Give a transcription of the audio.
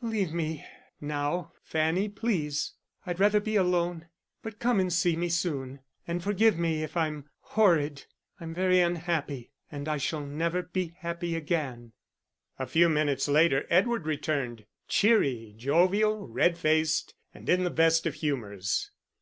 "Leave me now, Fanny, please. I'd rather be alone. But come and see me soon, and forgive me if I'm horrid. I'm very unhappy and I shall never be happy again." A few minutes later, Edward returned cheery, jovial, red faced, and in the best of humours.